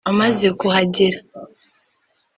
Amaze kuhagera